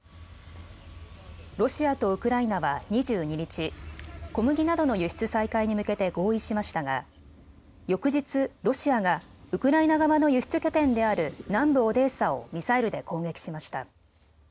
ロシアとウクライナは２２日、小麦などの輸出再開に向けて合意しましたが翌日、ロシアがウクライナ側の輸出拠点である南部オデーサをミサイルで攻撃しました。